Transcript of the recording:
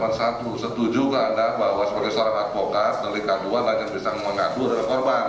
pertanyaannya cuma satu setuju ke anda bahwa sebagai seorang advokat delikaduan ada yang bisa mengadu adalah korban